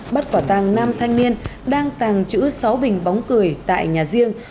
bắt quả tàng năm thanh niên đang tàng trữ sáu bình bóng cười tại nhà riêng